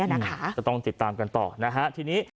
ก็ต้องติดตามกันต่อนะฮะทีนี้